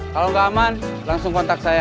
kalau nggak aman langsung kontak saya